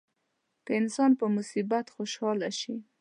که انسان په مصیبت خوشاله شي.